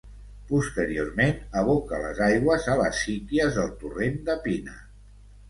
Posteriorment aboca les aigües a les síquies del torrent de Pina.